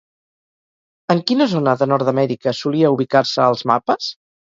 En quina zona de Nordamèrica solia ubicar-se als mapes?